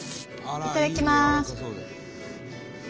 いただきます！